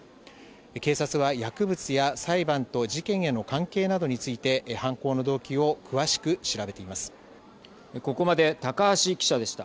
警察は薬物や裁判と事件への関係などについて犯行の動機を詳しく調べています。